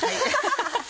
ハハハハ！